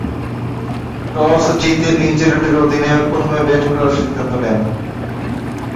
Toss জিতে নিউজিল্যান্ডের অধিনায়ক প্রথমে ব্যাট করার সিদ্ধান্ত নেন।